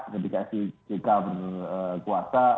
ketika sdi jika berkuasa